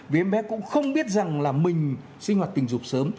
vì em bé cũng không biết rằng là mình sinh hoạt tình dục sớm